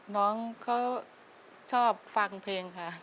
น้องเขาชอบฟังเพลงค่ะ